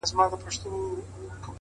وركه يې كړه;